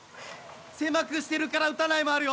狭くしてるから打たないもあるよ。